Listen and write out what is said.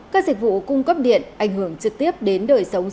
các dịch vụ cung cấp điện ảnh hưởng trực tiếp đến đời sống